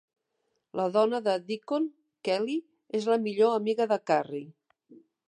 La dona de Deacon, Kelly, és la millor amiga de Carrie.